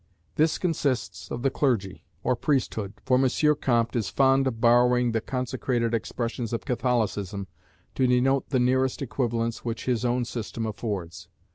This consists of the clergy, or priesthood, for M. Comte is fond of borrowing the consecrated expressions of Catholicism to denote the nearest equivalents which his own system affords.